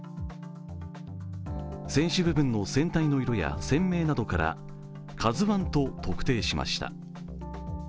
船首部分の船体の色や船名などから「ＫＡＺＵⅠ」と特定しました。